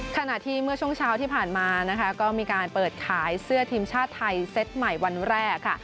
ขณะที่เมื่อช่วงเช้าที่ผ่านมานะคะก็มีการเปิดขายเสื้อทีมชาติไทยเซตใหม่วันแรกค่ะ